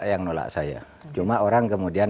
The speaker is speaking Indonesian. yang nolak saya cuma orang kemudian